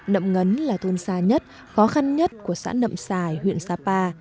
nậm ngấn là thôn xa nhất khó khăn nhất của xã nậm xài huyện sapa